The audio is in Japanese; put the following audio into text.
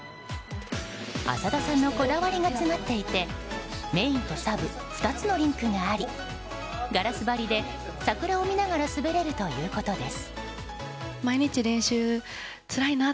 浅田さんのこだわりが詰まっていてメインとサブ２つのリンクがありガラス張りで桜を見ながら滑れるということです。